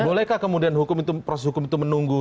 bolehkah kemudian proses hukum itu menunggu